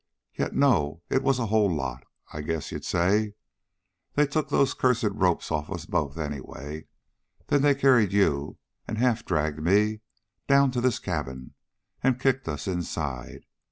Yet, no, it was a whole lot, I guess you'd say. They took those cursed ropes off us both, anyway. Then they carried you, and half dragged me, down to this cabin, and kicked us inside.